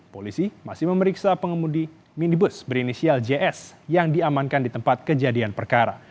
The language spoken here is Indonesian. polisi masih memeriksa pengemudi minibus berinisial js yang diamankan di tempat kejadian perkara